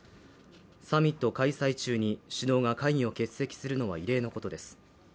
サミット開催中に首脳が会議を欠席するのは異例のことです。